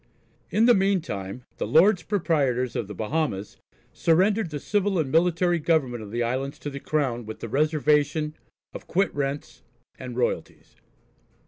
In the meantime the Lords Proprietors of the Bahamas surrendered the civil and military government of the islands to the Crown with the reservation of quit rents and royalties.